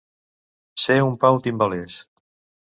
Ser un Pau Timbales.